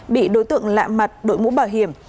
bị đối tượng lạ mặt đổi mũ bảo hiểm